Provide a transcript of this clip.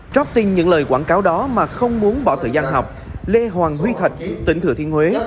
trước tin những lời quảng cáo đó mà không muốn bỏ thời gian học lê hoàng huy thạch tỉnh thừa thiên huế